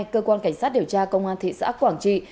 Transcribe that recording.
cơ quan cảnh sát điều tra công an thị xã quảng trị